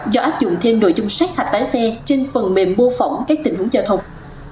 do áp dụng thêm nội dung sát hạch lái xe trên phần mềm mô phỏng các tình huống giao thông